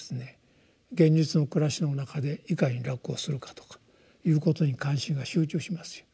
現実の暮らしの中でいかに楽をするかとかいうことに関心が集中しますよ。